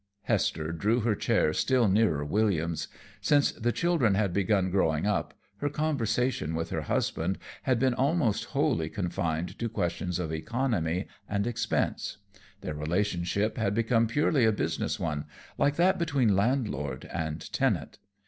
Hester drew her chair still nearer William's. Since the children had begun growing up, her conversation with her husband had been almost wholly confined to questions of economy and expense. Their relationship had become purely a business one, like that between landlord and tenant.